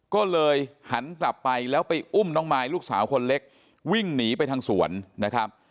ก็เลยหันกลับไปแล้วไปอุ้มน้องมายลูกสาวคนเล็กวิ่งหนีไปทางสวนนะครับ